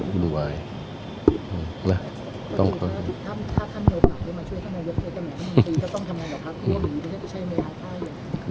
ถ้าท่านมีพรรคมาช่วยทำงานเวียบเทียกันไหมคุณคุณคือจะต้องทำงานกับพรรคอีกหรือใช่ไหมครับ